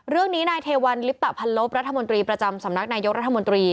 เรื่องนี้นายเทวัลลิปตะพันลบรัฐมนตรีประจำสำนักนายกรัฐมนตรี